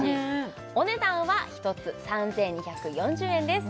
お値段は１つ３２４０円です